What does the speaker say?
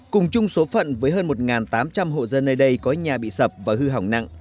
cùng chung số phận với hơn một tám trăm linh hộ dân nơi đây có nhà bị sập và hư hỏng nặng